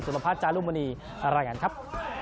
สวัสดีครับ